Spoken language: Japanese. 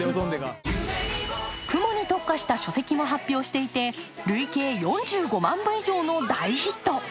雲に特化した書籍も発表していて、累計４５万部以上の大ヒット。